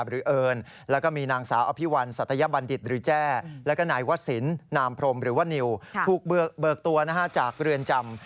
ปุกเบิกตัวจากเรือนจำ